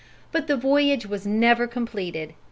But the voyage was never completed.